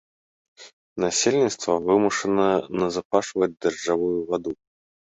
Насельніцтва вымушана назапашваць дажджавую ваду.